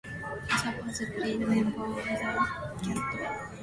Other parts played by members of the cast.